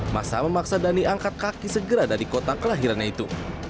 masa memaksa dhani angkat kaki segera dari kota kelahirannya itu